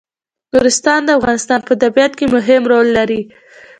نورستان د افغانستان په طبیعت کې مهم رول لري.